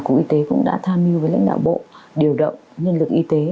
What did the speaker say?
cục y tế cũng đã tham mưu với lãnh đạo bộ điều động nhân lực y tế